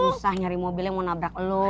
susah nyari mobil yang mau nabrak lo